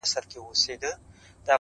دا کیسه ده زموږ د کور او زموږ د کلي-